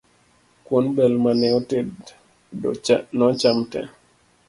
Kuon bel mane otedo nocham tee